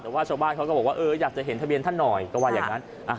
แต่ว่าชาวบ้านเขาก็บอกว่าอยากจะเห็นทะเบียนท่านหน่อยก็ว่าอย่างนั้น